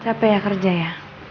capek ya kerja ya